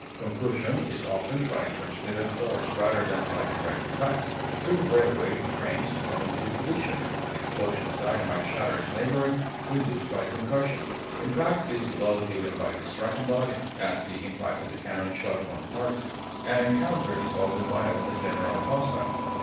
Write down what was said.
Concussion is often by transmitted force rather than by direct impact; two railway trains come into collision; an explosion of dynamite shatters neighboring windows by concussion. Impact is the blow given by the striking body; as, the impact of the cannon shot upon the target. An encounter is always violent, and generally hostile.